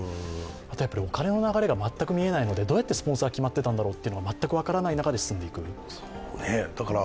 あとやっぱりお金の流れが全く見えないので、どうやってスポンサー決まってたんだろうって全く分からない中で進んでいく。